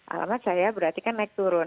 alamat saya berarti kan naik turun